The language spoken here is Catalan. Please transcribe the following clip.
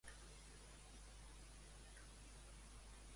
Quines tasques feia Harpàlice per donar un cop de mà al seu progenitor?